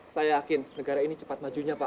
saya yakin negara ini cepat majunya pak